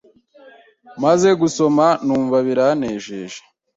Maze gusoma numva biranejeje.